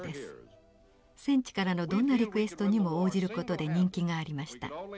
戦地からのどんなリクエストにも応じる事で人気がありました。